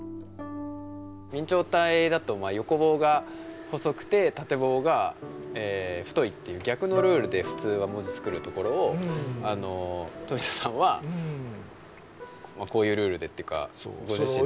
明朝体だと横棒が細くて縦棒が太いっていう逆のルールで普通は文字を作るところをあの冨田さんはこういうルールでっていうかご自身で。